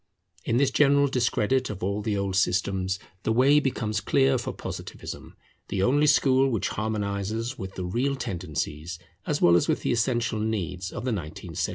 In this general discredit of all the old systems the way becomes clear for Positivism, the only school which harmonizes with the real tendencies as well as with the essential needs of the nineteenth century.